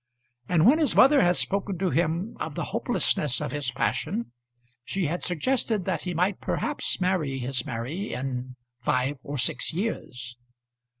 And when his mother had spoken to him of the hopelessness of his passion, she had suggested that he might perhaps marry his Mary in five or six years.